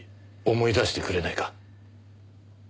思い出してくれないか？